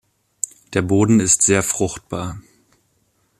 Der Boden ist sehr fruchtbar.